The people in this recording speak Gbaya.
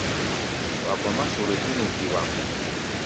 Wa gɔmá sore pínu giwaŋ.